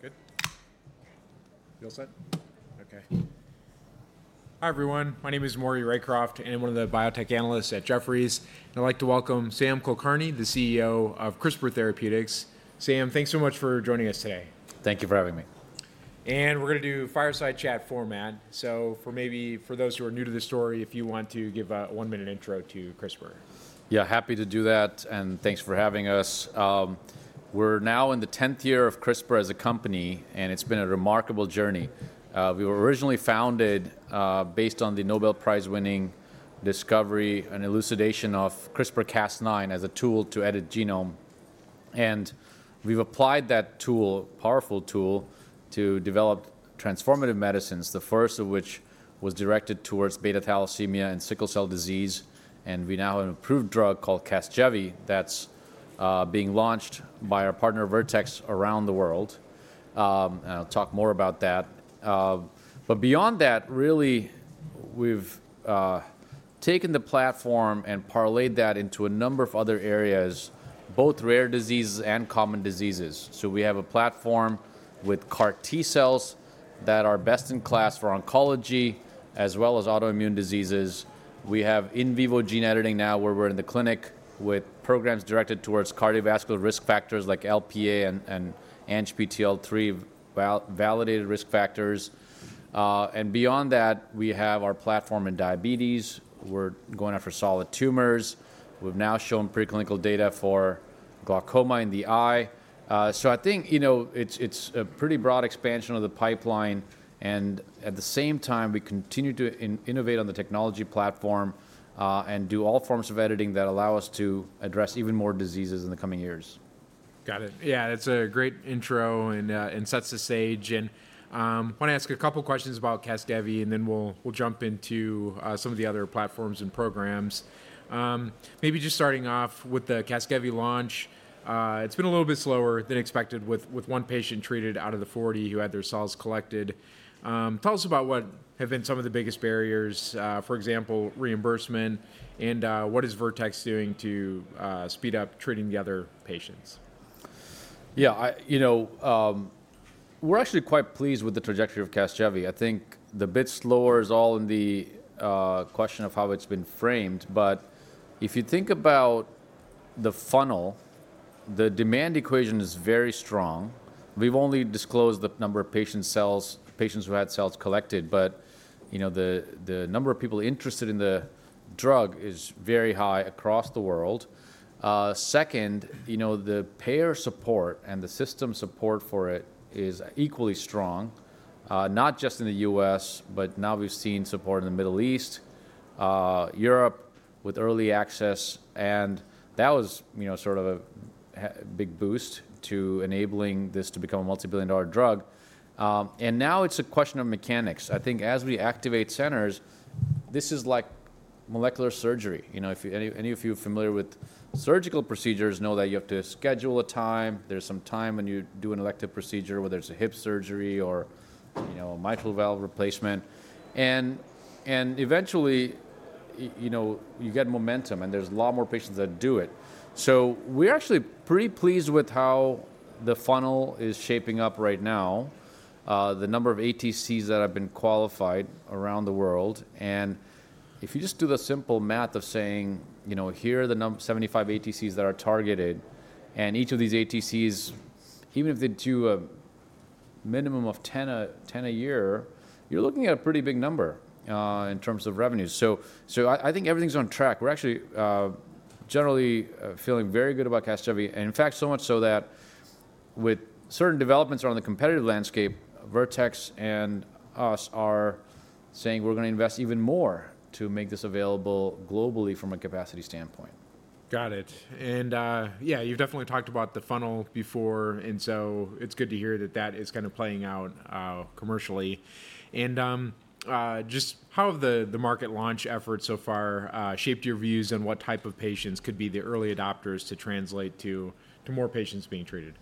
Good. You all set? Okay. Hi, everyone. My name is Maury Raycroft. I am one of the biotech analysts at Jefferies. I'd like to welcome Sam Kulkarni, the CEO of CRISPR Therapeutics. Sam, thanks so much for joining us today. Thank you for having me. We're going to do fireside chat format. For maybe those who are new to the story, if you want to give a one-minute intro to CRISPR. Yeah, happy to do that. And thanks for having us. We're now in the 10th year of CRISPR as a company, and it's been a remarkable journey. We were originally founded based on the Nobel Prize-winning discovery and elucidation of CRISPR-Cas9 as a tool to edit genome. And we've applied that tool, a powerful tool, to develop transformative medicines, the first of which was directed towards beta thalassemia and sickle cell disease. And we now have an approved drug called CASGEVY that's being launched by our partner, Vertex, around the world. And I'll talk more about that. But beyond that, really, we've taken the platform and parlayed that into a number of other areas, both rare diseases and common diseases. So we have a platform with CAR T-cells that are best in class for oncology, as well as autoimmune diseases. We have in vivo gene editing now, where we're in the clinic with programs directed towards cardiovascular risk factors like Lp(a) and ANGPTL3 validated risk factors. And beyond that, we have our platform in diabetes. We're going after solid tumors. We've now shown preclinical data for glaucoma in the eye. So I think it's a pretty broad expansion of the pipeline. And at the same time, we continue to innovate on the technology platform and do all forms of editing that allow us to address even more diseases in the coming years. Got it. Yeah, that's a great intro and sets the stage. I want to ask a couple of questions about CASGEVY, and then we'll jump into some of the other platforms and programs. Maybe just starting off with the CASGEVY launch, it's been a little bit slower than expected with one patient treated out of the 40 who had their cells collected. Tell us about what have been some of the biggest barriers, for example, reimbursement, and what is Vertex doing to speed up treating the other patients? Yeah, we're actually quite pleased with the trajectory of CASGEVY. I think the bit slower is all in the question of how it's been framed. But if you think about the funnel, the demand equation is very strong. We've only disclosed the number of patients who had cells collected. But the number of people interested in the drug is very high across the world. Second, the payer support and the system support for it is equally strong, not just in the U.S., but now we've seen support in the Middle East, Europe with early access. And that was sort of a big boost to enabling this to become a multi-billion-dollar drug. And now it's a question of mechanics. I think as we activate centers, this is like molecular surgery. If any of you are familiar with surgical procedures, know that you have to schedule a time. Over time when you do an elective procedure, whether it's a hip surgery or a mitral valve replacement, and eventually, you get momentum, and there's a lot more patients that do it, so we're actually pretty pleased with how the funnel is shaping up right now, the number of ATCs that have been qualified around the world, and if you just do the simple math of saying, here are the 75 ATCs that are targeted, and each of these ATCs, even if they do a minimum of 10 a year, you're looking at a pretty big number in terms of revenues, so I think everything's on track. We're actually generally feeling very good about CASGEVY, in fact, so much so that with certain developments around the competitive landscape, Vertex and us are saying we're going to invest even more to make this available globally from a capacity standpoint. Got it. And yeah, you've definitely talked about the funnel before. And so it's good to hear that that is kind of playing out commercially. And just how have the market launch efforts so far shaped your views on what type of patients could be the early adopters to translate to more patients being treated?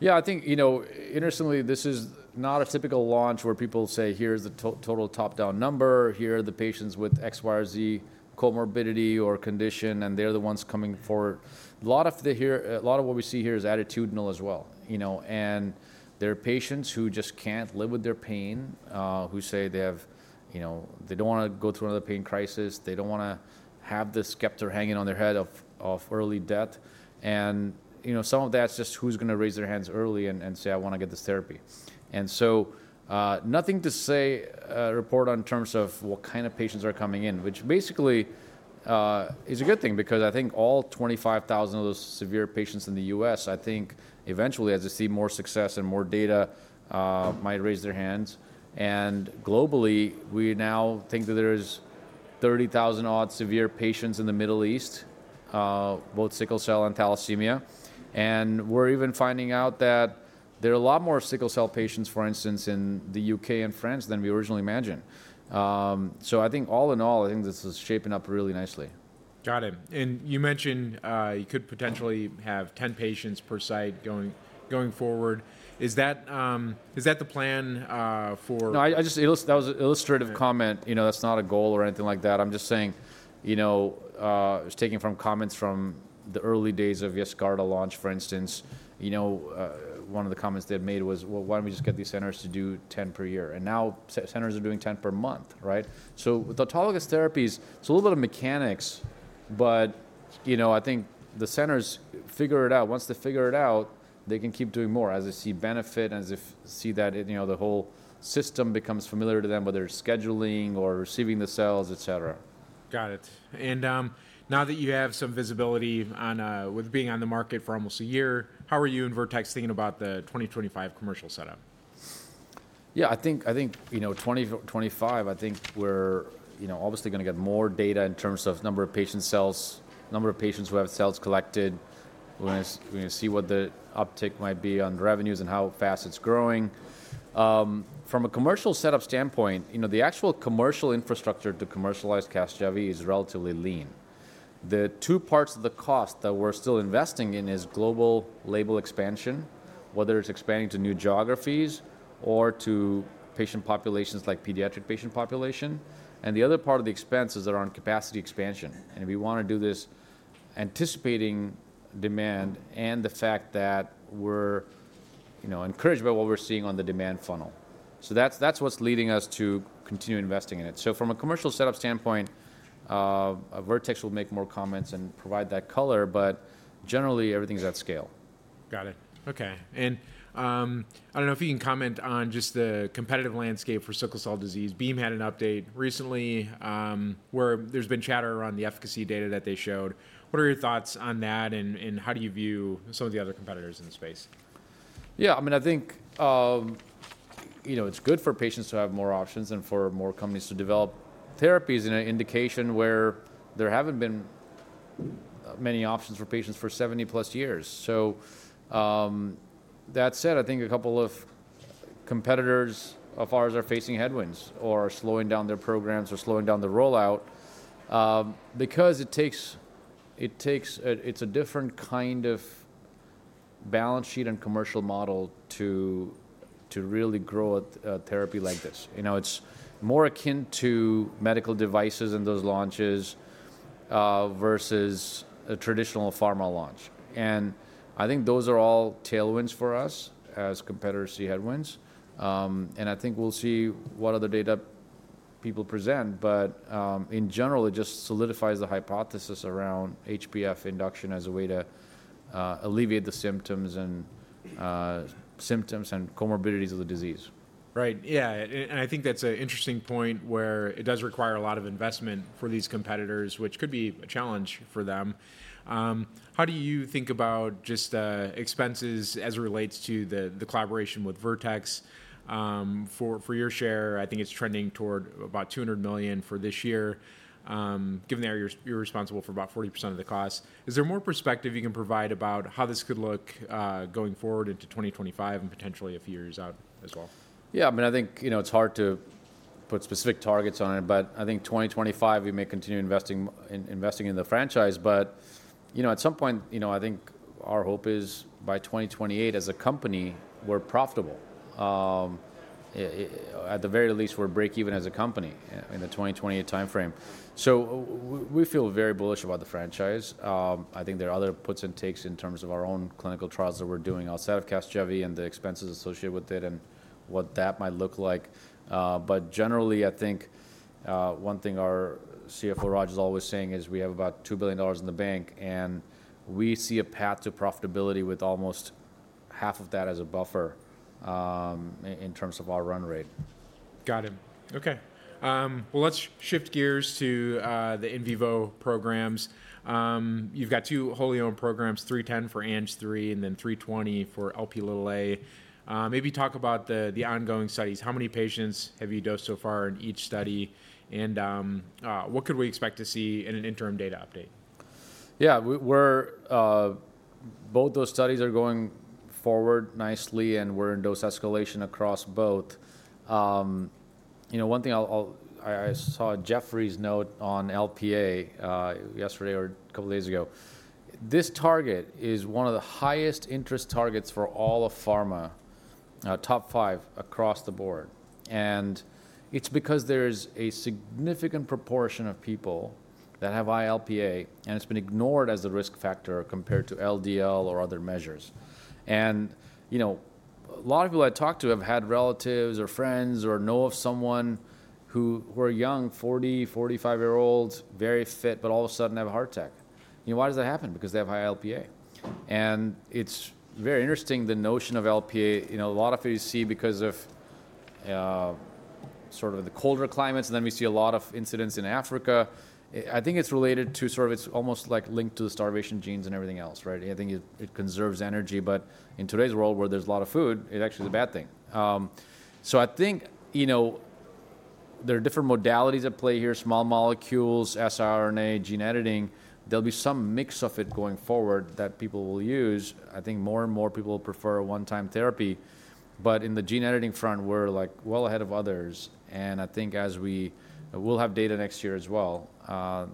Yeah, I think interestingly, this is not a typical launch where people say, here's the total top-down number. Here are the patients with X, Y, or Z comorbidity or condition, and they're the ones coming forward. A lot of what we see here is attitudinal as well, and there are patients who just can't live with their pain, who say they don't want to go through another pain crisis. They don't want to have this specter hanging on their head of early death, and some of that's just who's going to raise their hands early and say, I want to get this therapy. So, nothing to report in terms of what kind of patients are coming in, which basically is a good thing, because I think all 25,000 of those severe patients in the U.S., I think eventually, as you see more success and more data, might raise their hands. Globally, we now think that there's 30,000-odd severe patients in the Middle East, both sickle cell and thalassemia. We're even finding out that there are a lot more sickle cell patients, for instance, in the U.K. and France than we originally imagined. I think all in all, I think this is shaping up really nicely. Got it. And you mentioned you could potentially have 10 patients per site going forward. Is that the plan for? No, that was an illustrative comment. That's not a goal or anything like that. I'm just saying it was taken from comments from the early days of Yescarta launch, for instance. One of the comments they had made was, well, why don't we just get these centers to do 10 per year? And now centers are doing 10 per month, right? So with autologous therapies, it's a little bit of mechanics. But I think the centers figure it out. Once they figure it out, they can keep doing more as they see benefit, as they see that the whole system becomes familiar to them, whether it's scheduling or receiving the cells, et cetera. Got it and now that you have some visibility with being on the market for almost a year, how are you and Vertex thinking about the 2025 commercial setup? Yeah, I think 2025, I think we're obviously going to get more data in terms of number of patient cells, number of patients who have cells collected. We're going to see what the uptick might be on revenues and how fast it's growing. From a commercial setup standpoint, the actual commercial infrastructure to commercialize CASGEVY is relatively lean. The two parts of the cost that we're still investing in is global label expansion, whether it's expanding to new geographies or to patient populations like pediatric patient population, and the other part of the expenses that are on capacity expansion, and we want to do this anticipating demand and the fact that we're encouraged by what we're seeing on the demand funnel, so that's what's leading us to continue investing in it, so from a commercial setup standpoint, Vertex will make more comments and provide that color. But generally, everything's at scale. Got it. OK. And I don't know if you can comment on just the competitive landscape for sickle cell disease. Beam had an update recently where there's been chatter around the efficacy data that they showed. What are your thoughts on that, and how do you view some of the other competitors in the space? Yeah, I mean, I think it's good for patients to have more options and for more companies to develop therapies in an indication where there haven't been many options for patients for 70-plus years. So that said, I think a couple of competitors of ours are facing headwinds or are slowing down their programs or slowing down the rollout because it takes a different kind of balance sheet and commercial model to really grow a therapy like this. It's more akin to medical devices and those launches versus a traditional pharma launch. And I think those are all tailwinds for us as competitors see headwinds. And I think we'll see what other data people present. But in general, it just solidifies the hypothesis around HbF induction as a way to alleviate the symptoms and comorbidities of the disease. Right. Yeah. And I think that's an interesting point where it does require a lot of investment for these competitors, which could be a challenge for them. How do you think about just expenses as it relates to the collaboration with Vertex? For your share, I think it's trending toward about $200 million for this year, given that you're responsible for about 40% of the cost. Is there more perspective you can provide about how this could look going forward into 2025 and potentially a few years out as well? Yeah, I mean, I think it's hard to put specific targets on it. But I think 2025, we may continue investing in the franchise. But at some point, I think our hope is by 2028, as a company, we're profitable. At the very least, we're break-even as a company in the 2028 time frame. So we feel very bullish about the franchise. I think there are other puts and takes in terms of our own clinical trials that we're doing outside of CASGEVY and the expenses associated with it and what that might look like. But generally, I think one thing our CFO, Raju, is always saying is we have about $2 billion in the bank. And we see a path to profitability with almost half of that as a buffer in terms of our run rate. Got it. OK. Well, let's shift gears to the in vivo programs. You've got two wholly owned programs, CTX310 for ANGPTL3 and then CTX320 for Lp(a). Maybe talk about the ongoing studies. How many patients have you dosed so far in each study? And what could we expect to see in an interim data update? Yeah, both those studies are going forward nicely, and we're in dose escalation across both. One thing, I saw Jefferies' note on Lp(a) yesterday or a couple of days ago. This target is one of the highest interest targets for all of pharma, top five across the board. And it's because there's a significant proportion of people that have high Lp(a), and it's been ignored as a risk factor compared to LDL or other measures. And a lot of people I talk to have had relatives or friends or know of someone who are young, 40, 45-year-olds, very fit, but all of a sudden have a heart attack. Why does that happen? Because they have high Lp(a). And it's very interesting, the notion of Lp(a). A lot of it you see because of sort of the colder climates. And then we see a lot of incidents in Africa. I think it's related to sort of it's almost like linked to the starvation genes and everything else, right? I think it conserves energy. In today's world, where there's a lot of food, it actually is a bad thing. There are different modalities at play here, small molecules, siRNA, gene editing. There'll be some mix of it going forward that people will use. I think more and more people will prefer a one-time therapy. In the gene editing front, we're well ahead of others. As we will have data next year as well,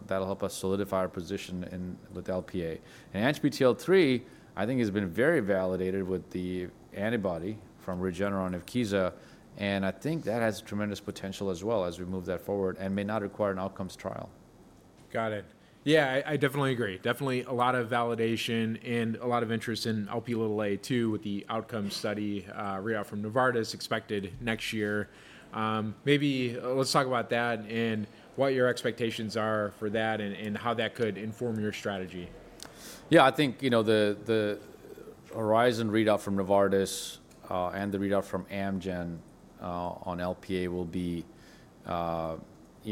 that'll help us solidify our position with Lp(a). ANGPTL3, I think, has been very validated with the antibody from Regeneron and Evkisa. That has tremendous potential as well as we move that forward and may not require an outcomes trial. Got it. Yeah, I definitely agree. Definitely a lot of validation and a lot of interest in Lp(a) too with the outcomes study readout from Novartis expected next year. Maybe let's talk about that and what your expectations are for that and how that could inform your strategy. Yeah, I think the HORIZON readout from Novartis and the readout from Amgen on Lp(a) will be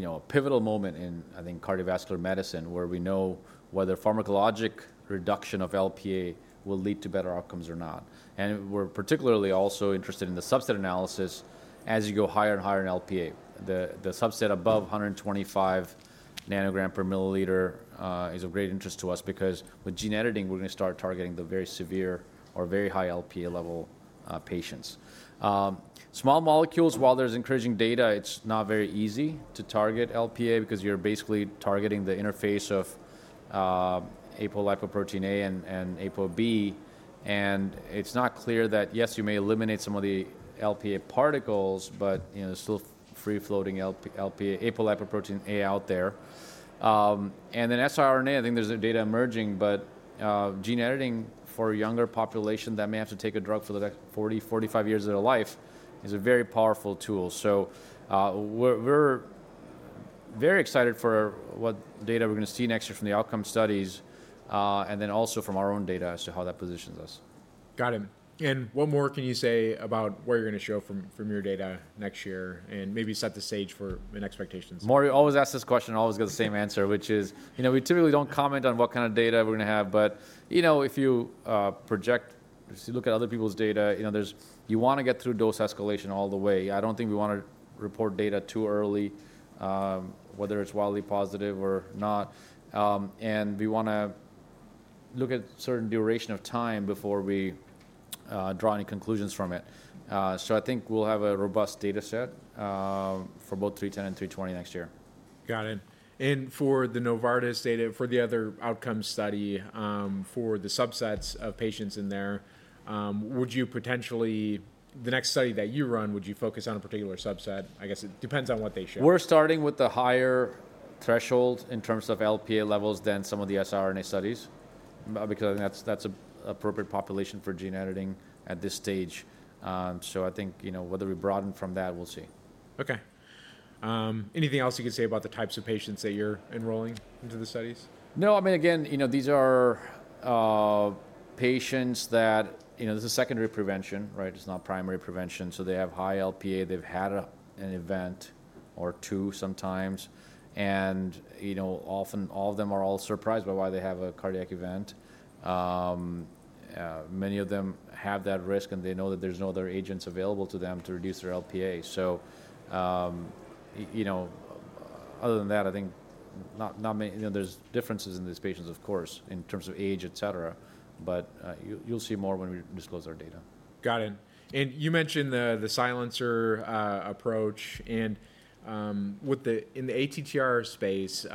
a pivotal moment in, I think, cardiovascular medicine, where we know whether pharmacologic reduction of Lp(a) will lead to better outcomes or not. And we're particularly also interested in the subset analysis as you go higher and higher in Lp(a). The subset above 125 nanogram per milliliter is of great interest to us because with gene editing, we're going to start targeting the very severe or very high Lp(a) level patients. Small molecules, while there's encouraging data, it's not very easy to target Lp(a) because you're basically targeting the interface of apolipoprotein(a) and ApoB. And it's not clear that, yes, you may eliminate some of the Lp(a) particles, but there's still free-floating apolipoprotein A out there. And then siRNA, I think there's data emerging. But gene editing for a younger population that may have to take a drug for the next 40, 45 years of their life is a very powerful tool. So we're very excited for what data we're going to see next year from the outcome studies and then also from our own data as to how that positions us. Got it. And what more can you say about what you're going to show from your data next year and maybe set the stage for expectations? I always ask this question. I always get the same answer, which is we typically don't comment on what kind of data we're going to have. But if you project, if you look at other people's data, you want to get through dose escalation all the way. I don't think we want to report data too early, whether it's wildly positive or not. And we want to look at a certain duration of time before we draw any conclusions from it. So I think we'll have a robust data set for both CTX310 and CTX320 next year. Got it. And for the Novartis data, for the other outcome study, for the subsets of patients in there, would you potentially the next study that you run? Would you focus on a particular subset? I guess it depends on what they show. We're starting with the higher threshold in terms of Lp(a) levels than some of the siRNA studies because I think that's an appropriate population for gene editing at this stage. So I think whether we broaden from that, we'll see. OK. Anything else you can say about the types of patients that you're enrolling into the studies? No. I mean, again, these are patients that this is secondary prevention, right? It's not primary prevention. So they have high Lp(a). They've had an event or two sometimes. And often, all of them are surprised by why they have a cardiac event. Many of them have that risk, and they know that there's no other agents available to them to reduce their Lp(a). So other than that, I think there's differences in these patients, of course, in terms of age, et cetera. But you'll see more when we disclose our data. Got it. And you mentioned the silencer approach. And in the ATTR space,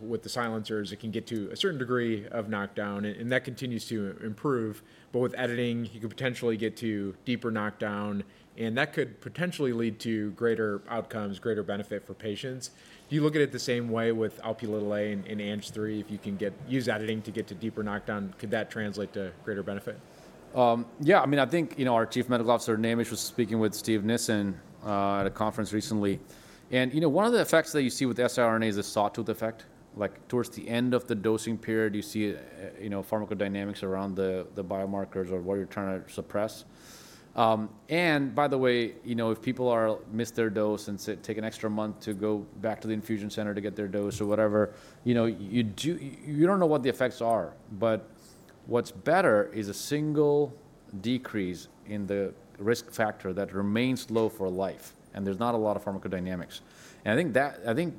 with the silencers, it can get to a certain degree of knockdown. And that continues to improve. But with editing, you could potentially get to deeper knockdown. And that could potentially lead to greater outcomes, greater benefit for patients. Do you look at it the same way with Lp(a) and ANGPTL3? If you can use editing to get to deeper knockdown, could that translate to greater benefit? Yeah. I mean, I think our Chief Medical Officer, Naimish, was speaking with Steve Nissen at a conference recently, and one of the effects that you see with siRNA is a sawtooth effect. Towards the end of the dosing period, you see pharmacodynamics around the biomarkers or what you're trying to suppress, and by the way, if people miss their dose and take an extra month to go back to the infusion center to get their dose or whatever, you don't know what the effects are, but what's better is a single decrease in the risk factor that remains low for life, and there's not a lot of pharmacodynamics, and I think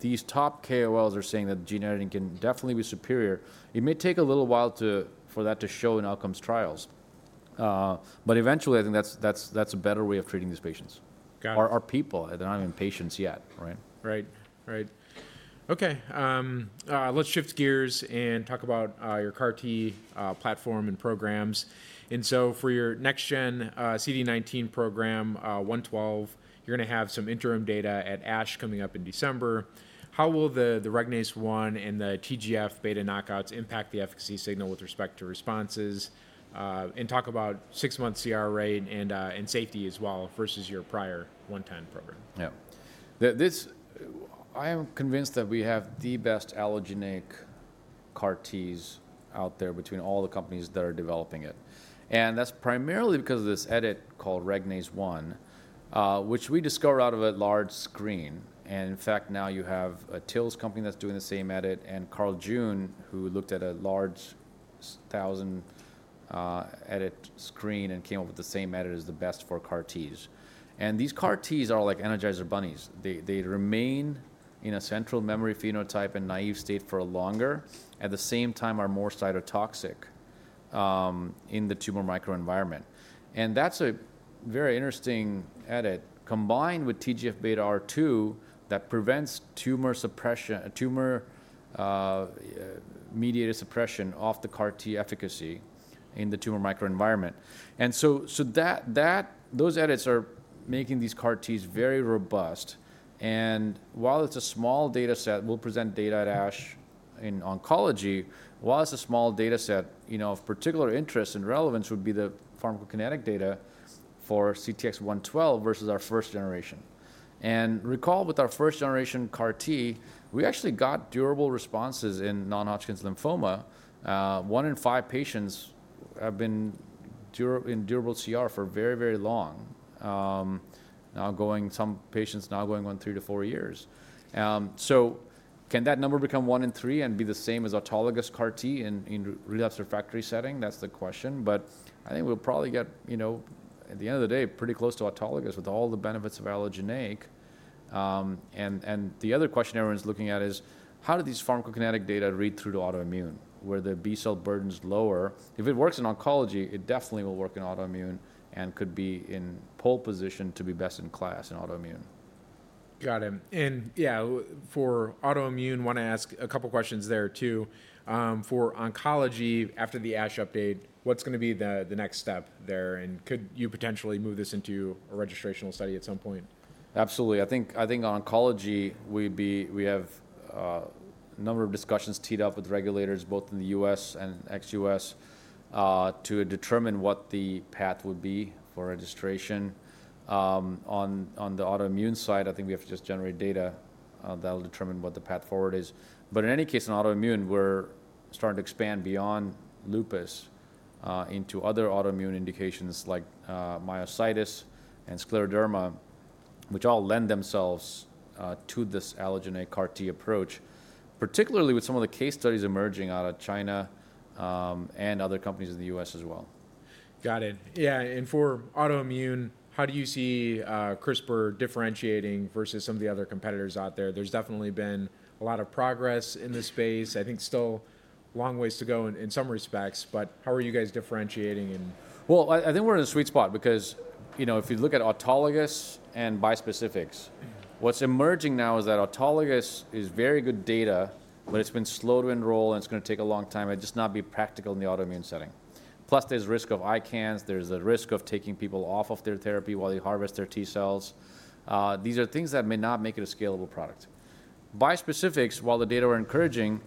these top KOLs are saying that gene editing can definitely be superior. It may take a little while for that to show in outcomes trials. But eventually, I think that's a better way of treating these patients or people. They're not even patients yet, right? Right. Right. OK. Let's shift gears and talk about your CAR-T platform and programs. And so for your next gen CD19 program, CTX112, you're going to have some interim data at ASH coming up in December. How will the Regnase-1 and the TGF-Beta knockouts impact the efficacy signal with respect to responses? And talk about six-month CR rate and safety as well versus your prior 110 program. Yeah. I am convinced that we have the best allogeneic CAR-Ts out there between all the companies that are developing it. And that's primarily because of this edit called Regnase-1, which we discovered out of a large screen. And in fact, now you have a TILs company that's doing the same edit. And Carl June, who looked at a large 1,000-edit screen and came up with the same edit is the best for CAR-Ts. And these CAR-Ts are like energizer bunnies. They remain in a central memory phenotype and naive state for longer. At the same time, they are more cytotoxic in the tumor microenvironment. And that's a very interesting edit combined with TGFBR2 that prevents tumor mediated suppression of the CAR-T efficacy in the tumor microenvironment. And so those edits are making these CAR-Ts very robust. While it's a small data set, we'll present data at ASH in oncology. Of particular interest and relevance would be the pharmacokinetic data for CTX112 versus our first generation. Recall, with our first generation CAR-T, we actually got durable responses in non-Hodgkin's lymphoma. One in five patients have been in durable CR for very, very long, some patients now going on three to four years. Can that number become one in three and be the same as autologous CAR-T in relapse refractory setting? That's the question. I think we'll probably get, at the end of the day, pretty close to autologous with all the benefits of allogeneic. The other question everyone's looking at is, how do these pharmacokinetic data read through to autoimmune where the B-cell burden is lower? If it works in oncology, it definitely will work in autoimmune and could be in pole position to be best in class in autoimmune. Got it. And yeah, for autoimmune, I want to ask a couple of questions there too. For oncology, after the ASH update, what's going to be the next step there? And could you potentially move this into a registrational study at some point? Absolutely. I think oncology, we have a number of discussions teed up with regulators, both in the U.S. and ex-U.S., to determine what the path would be for registration. On the autoimmune side, I think we have to just generate data that will determine what the path forward is, but in any case, in autoimmune, we're starting to expand beyond lupus into other autoimmune indications like myositis and scleroderma, which all lend themselves to this allogeneic CAR-T approach, particularly with some of the case studies emerging out of China and other companies in the U.S. as well. Got it. Yeah. And for autoimmune, how do you see CRISPR differentiating versus some of the other competitors out there? There's definitely been a lot of progress in this space. I think still a long ways to go in some respects. But how are you guys differentiating? I think we're in a sweet spot because if you look at autologous and bispecifics, what's emerging now is that autologous is very good data, but it's been slow to enroll, and it's going to take a long time and just not be practical in the autoimmune setting. Plus, there's risk of ICANS. There's a risk of taking people off of their therapy while they harvest their T-cells. These are things that may not make it a scalable product. Bispecifics, while the data are encouraging,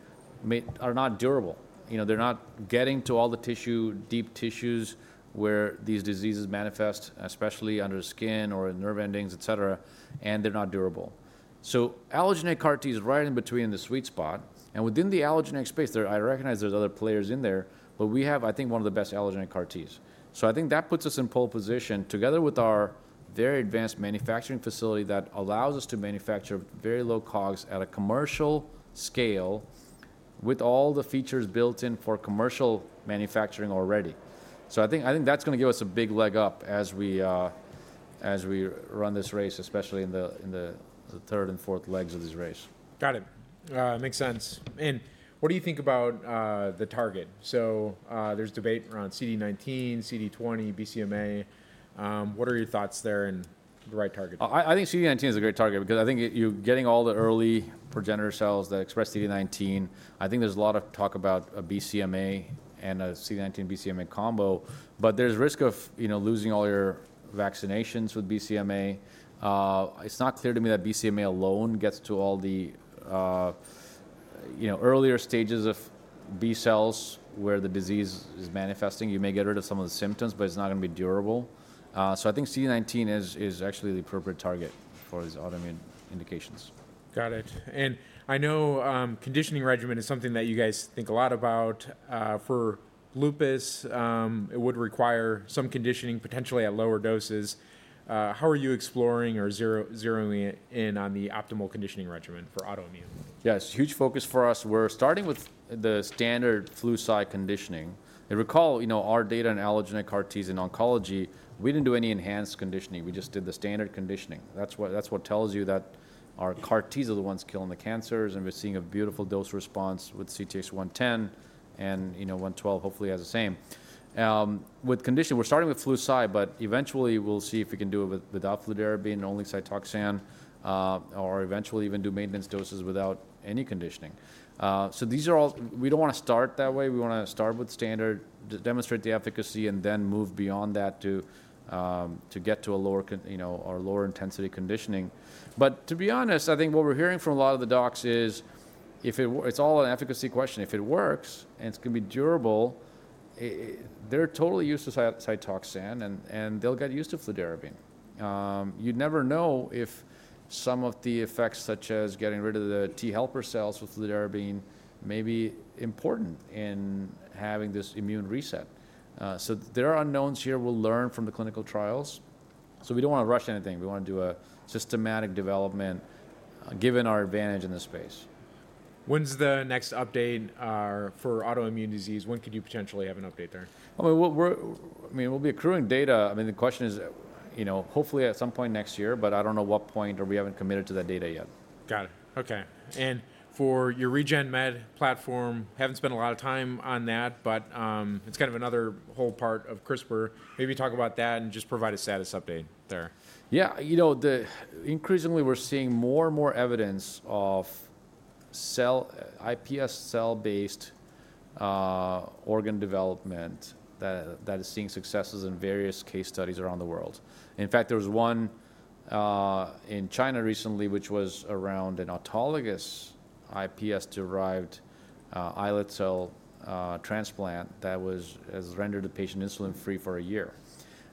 are not durable. They're not getting to all the deep tissues where these diseases manifest, especially under skin or nerve endings, et cetera, and they're not durable, so allogeneic CAR-T is right in the sweet spot. Within the allogeneic space, I recognize there's other players in there, but we have, I think, one of the best allogeneic CAR-Ts. So I think that puts us in pole position together with our very advanced manufacturing facility that allows us to manufacture very low COGS at a commercial scale with all the features built in for commercial manufacturing already. So I think that's going to give us a big leg up as we run this race, especially in the third and fourth legs of this race. Got it. Makes sense. And what do you think about the target? So there's debate around CD19, CD20, BCMA. What are your thoughts there and the right target? I think CD19 is a great target because I think you're getting all the early progenitor cells that express CD19. I think there's a lot of talk about a BCMA and a CD19-BCMA combo, but there's risk of losing all your vaccinations with BCMA. It's not clear to me that BCMA alone gets to all the earlier stages of B-cells where the disease is manifesting. You may get rid of some of the symptoms, but it's not going to be durable, so I think CD19 is actually the appropriate target for these autoimmune indications. Got it. And I know conditioning regimen is something that you guys think a lot about. For Lupus, it would require some conditioning, potentially at lower doses. How are you exploring or zeroing in on the optimal conditioning regimen for autoimmune? Yeah. It's a huge focus for us. We're starting with the standard Flu/Cy conditioning, and recall, our data on allogeneic CAR-Ts in oncology, we didn't do any enhanced conditioning. We just did the standard conditioning. That's what tells you that our CAR-Ts are the ones killing the cancers, and we're seeing a beautiful dose response with CTX110, and CTX112 hopefully has the same. With conditioning, we're starting with Flu/Cy, but eventually, we'll see if we can do it without fludarabine and only Cytoxan or eventually even do maintenance doses without any conditioning, so we don't want to start that way. We want to start with standard, demonstrate the efficacy, and then move beyond that to get to our lower intensity conditioning, but to be honest, I think what we're hearing from a lot of the docs is it's all an efficacy question. If it works and it's going to be durable, they're totally used to Cytoxan, and they'll get used to fludarabine. You'd never know if some of the effects, such as getting rid of the T helper cells with fludarabine, may be important in having this immune reset, so there are unknowns here. We'll learn from the clinical trials, so we don't want to rush anything. We want to do a systematic development given our advantage in this space. When's the next update for autoimmune disease? When could you potentially have an update there? I mean, we'll be accruing data. I mean, the question is, hopefully, at some point next year. But I don't know what point. We haven't committed to that data yet. Got it. OK. And for your RegenMed platform, haven't spent a lot of time on that. But it's kind of another whole part of CRISPR. Maybe talk about that and just provide a status update there. Yeah. Increasingly, we're seeing more and more evidence of iPSC cell-based organ development that is seeing successes in various case studies around the world. In fact, there was one in China recently, which was around an autologous iPSC-derived islet cell transplant that rendered the patient insulin-free for a year.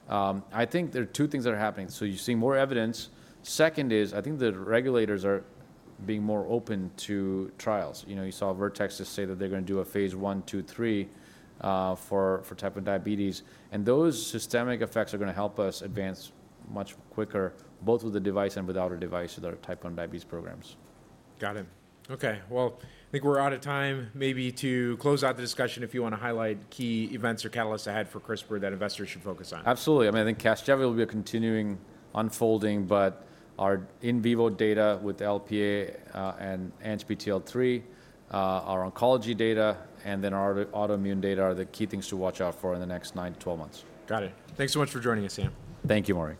I think there are two things that are happening. So you're seeing more evidence. Second is, I think the regulators are being more open to trials. You saw Vertex just say that they're going to do a phase one, two, three for type 1 diabetes, and those systemic effects are going to help us advance much quicker, both with the device and without a device with our type 1 diabetes programs. Got it. OK. I think we're out of time. Maybe to close out the discussion, if you want to highlight key events or catalysts ahead for CRISPR that investors should focus on. Absolutely. I mean, I think CASGEVY will be a continuing unfolding. But our in vivo data with Lp(a) and ANGPTL3, our oncology data, and then our autoimmune data are the key things to watch out for in the next nine to 12 months. Got it. Thanks so much for joining us, Sam. Thank you, Maury.